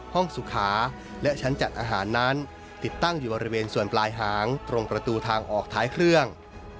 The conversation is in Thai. สุขาและชั้นจัดอาหารนั้นติดตั้งอยู่บริเวณส่วนปลายหางตรงประตูทางออกท้ายเครื่อง